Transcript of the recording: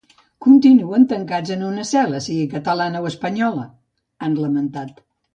Continuen tancats en una cel·la, sigui catalana o espanyola, han lamentat.